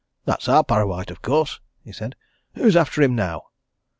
"That's our Parrawhite, of course!" he said. "Who's after him, now?"